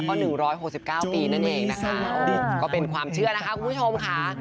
ก็๑๖๙ปีนั่นเองนะคะก็เป็นความเชื่อนะคะคุณผู้ชมค่ะ